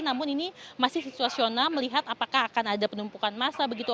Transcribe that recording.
namun ini masih situasional melihat apakah akan ada penumpukan massa begitu